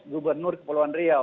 gubernur kepulauan riau